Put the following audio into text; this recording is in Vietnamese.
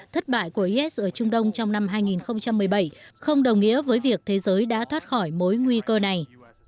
thất bại của is ở trung đông trong năm hai nghìn một mươi bảy không đồng nghĩa với việc thế giới đã thoát khỏi mối nguy cơ này